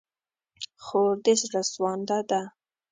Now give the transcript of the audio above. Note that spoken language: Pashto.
خور د زړه سوانده ده.